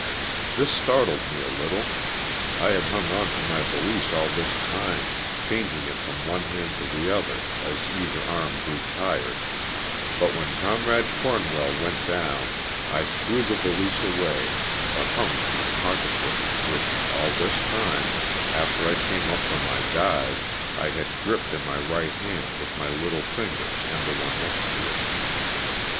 This startled me a little, I had hung on to my valise all this time, chang ing it from one hand to the other as either arm grew tired, but when Comrade Cornwell went down I threw the valise away but hung to my pocket book which, all this time, after I came up from my dive, I had gripped in my right hand with my little finger and and the one next to it.